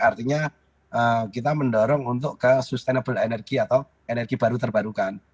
artinya kita mendorong untuk ke sustainable energy atau energi baru terbarukan